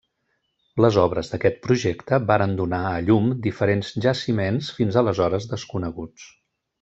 Les obres d'aquest projecte varen donar a llum diferents jaciments fins aleshores desconeguts.